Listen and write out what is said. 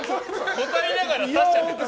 答えながら指しちゃってた。